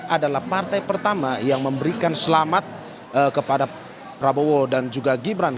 adalah partai pertama yang memberikan selamat kepada prabowo dan juga gibran